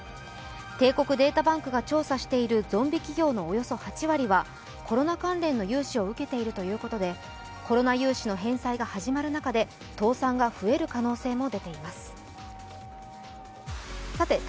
帝国データバンクが調査しているゾンビ企業のおよそ８割は、コロナ関連の融資を受けているということでコロナ融資の返済が始まる中で倒産が増える可能性も出ています。